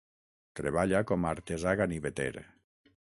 Treballa com a artesà ganiveter.